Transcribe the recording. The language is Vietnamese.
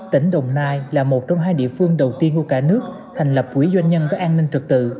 tỉnh đồng nai là một trong hai địa phương đầu tiên của cả nước thành lập quỹ doanh nhân với an ninh trật tự